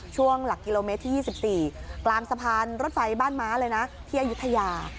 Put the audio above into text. ช่วงหลักกิโลเมตรที่๒๔กลางสะพานรถไฟบ้านม้าเลยนะที่อายุทยา